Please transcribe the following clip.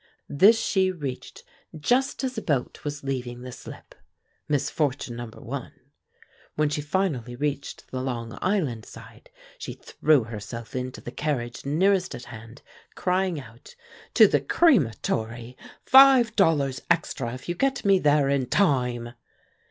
This she reached just as a boat was leaving the slip. Misfortune number one. When she finally reached the Long Island side, she threw herself into the carriage nearest at hand, crying out: "To the crematory! Five dollars extra if you get me there in time!"